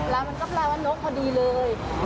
แล้วมันก็แปลว่านกพอดีเลย